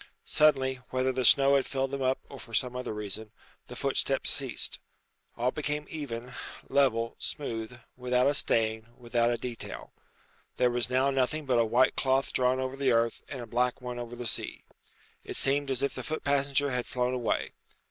Suddenly, whether the snow had filled them up or for some other reason, the footsteps ceased. All became even, level, smooth, without a stain, without a detail. There was now nothing but a white cloth drawn over the earth and a black one over the sky. It seemed as if the foot passenger had flown away.